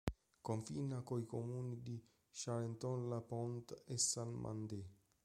Confina coi comuni di Charenton-le-Pont e Saint-Mandé.